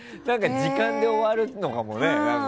時間で終わるのかもね。